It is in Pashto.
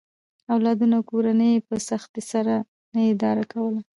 اولادونه او کورنۍ یې په سختۍ سره نه اداره کوله.